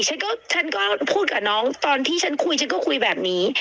ฉันก็ฉันก็พูดกับน้องตอนที่ฉันคุยฉันก็คุยแบบนี้